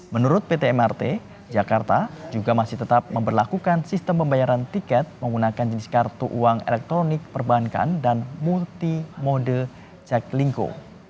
menurut pt mrt jakarta juga masih tetap memperlakukan sistem pembayaran tiket menggunakan jenis kartu uang elektronik perbankan dan multi mode ceklingko